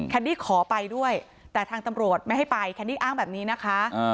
ดี้ขอไปด้วยแต่ทางตำรวจไม่ให้ไปแคนดี้อ้างแบบนี้นะคะ